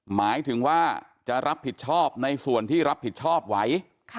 หมายถึงว่าจะรับผิดชอบในส่วนที่รับผิดชอบไว้